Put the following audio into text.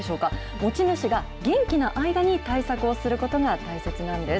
持ち主が元気な間に対策をすることが大切なんです。